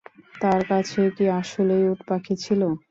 তার কাছে কি আসলেই উটপাখি ছিলো?